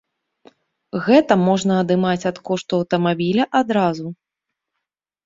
Гэта можна адымаць ад кошту аўтамабіля адразу.